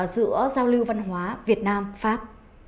giữa giao lưu văn hóa việt nam pháp